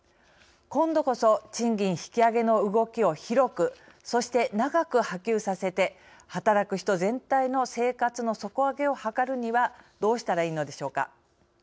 今度こそ賃金引き上げの動きを広くそして、長く波及させて働く人全体の生活の底上げを計るにはどうしたらいいのでしょうか。